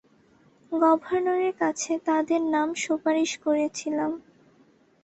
গভর্নরের কাছে তাদের নাম সুপারিশ করেছিলাম।